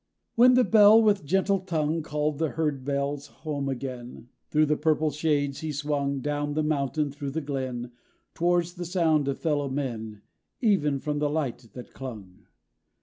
When the Bell, with gentle tongue, Called the herd bells home again, Through the purple shades he swung, Down the mountain, through the glen; Towards the sound of fellow men, Even from the light that clung.